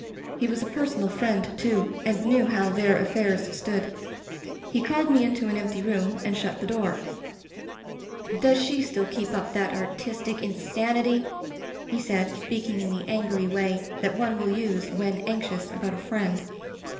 He was a personal friend, too, and knew how their affairs stood. He Digitized by LjOOQ IC The Rubber Stamp called me into an empty room and shut the door. "*Does she still keep up that artistic in sanity?' he said, speaking in the angry way that one will use when anxious about a friend.